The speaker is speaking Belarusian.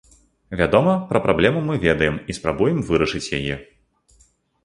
Вядома, пра праблему мы ведаем і спрабуем вырашыць яе.